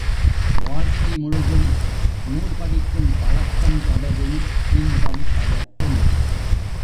வாழ்க்கை முழுதும் நூல் படிக்கும் பழக்கம் தொடரின், இன்பம் பயக்கும்.